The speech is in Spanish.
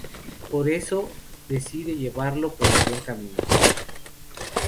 Por eso decide llevarlo por el buen camino.